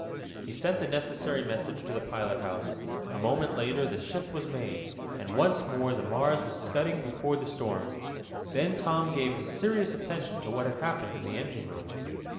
He sent the necessary message to the pilot house. A moment later the shift was made, and once more the Mars was scudding before the storm. Then Tom gave his serious attention to what had happened in the engine room.